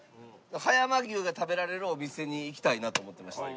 葉山牛が食べられるお店に行きたいなと思ってまして。